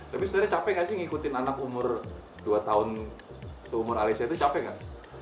tapi sebenarnya capek gak sih ngikutin anak umur dua tahun seumur alicia itu capek gak